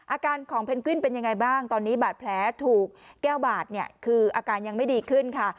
อาการของเพนกวินเป็นยังไงบ้างตอนนี้บาดแผลถูกแก้วบาดเนี่ยคืออาการยังไม่ดีขึ้นค่ะ